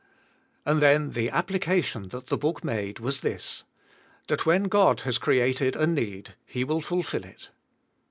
And then the application that the book made was this: That when God has created a need. He will fulfil it.